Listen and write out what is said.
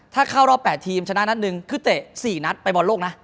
ถ้าเข้ารอบ๘ทีมชนะนัดหนึ่งคือเตะ๔นัดไปบอลโลกนะ